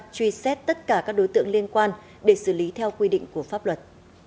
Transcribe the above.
truy xét tất cả các đối tượng liên quan để xử lý theo quy định của pháp luật